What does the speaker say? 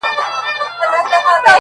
درد له کلي نه نه ځي-